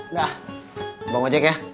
udah abang ojek ya